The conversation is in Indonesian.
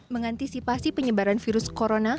mengantisipasi penyebaran virus corona